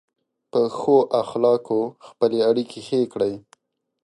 په ښو اخلاقو خپلې اړیکې ښې کړئ.